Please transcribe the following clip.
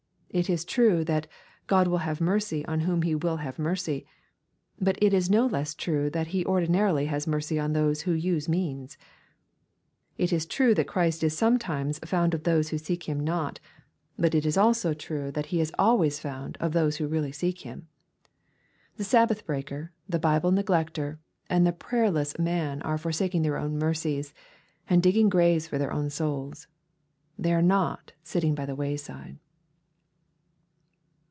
It is true that " God will have mercy on whom He will have mercy ;"— but it is no less true that He ordinarily has mercy on those who use means. It is true that Christ is sometimes "found oi those who seek Him not ;'*— ^but it is also true that He LUKE, CHAP. XVIII. 285 is always found of those who really seek Him. The Sab Dath breaker, the Bible neglecter, and the prayerless raan are forsaking their own mercies, and digging graves for their own souls. They are^not sitting '^ by the way side."